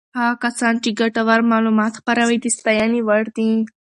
هغه کسان چې ګټور معلومات خپروي د ستاینې وړ دي.